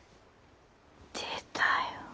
出たよ。